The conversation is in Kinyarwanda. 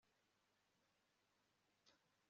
agiye kubana na nyirarume muri wikendi